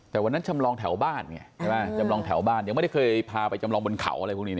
แต่วันนั้นจำลองแถวบ้านไงใช่ไหมจำลองแถวบ้านยังไม่ได้เคยพาไปจำลองบนเขาอะไรพวกนี้